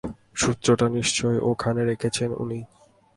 সূত্রটা নিশ্চয়ই ওখানে রেখেছেন উনি।